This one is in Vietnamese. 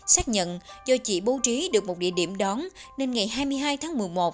xác nhận do chỉ bố trí được một địa điểm đón nên ngày hai mươi hai tháng một mươi một